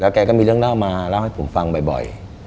แกก็มีเรื่องเล่ามาเล่าให้ผมฟังบ่อย